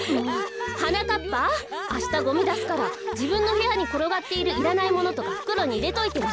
はなかっぱあしたゴミだすからじぶんのへやにころがっているいらないものとかふくろにいれといてね。